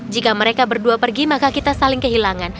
jika mereka berdua pergi maka kita saling kehilangan